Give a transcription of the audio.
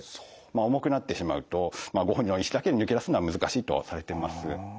重くなってしまうとご本人の意志だけで抜け出すのは難しいとされています。